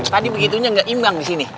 tadi begitunya gak imbang disini